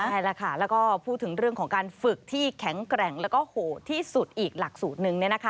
ใช่แล้วค่ะแล้วก็พูดถึงเรื่องของการฝึกที่แข็งแกร่งแล้วก็โหดที่สุดอีกหลักสูตรหนึ่ง